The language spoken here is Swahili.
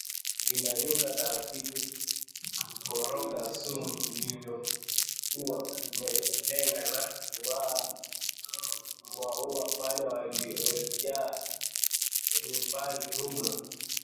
Nilinyanyuka taratibu na kukoroga sumu tuliyokuwa tumelenga ya kuwaua panya waliojaa chumbani humo